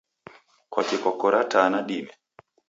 Kwakii kwakora taa nadime?